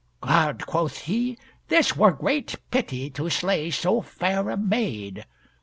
"God," quoth he, "this were great pity to slay so fair a maid!